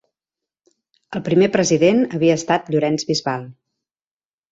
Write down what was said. El primer president havia estat Llorenç Bisbal.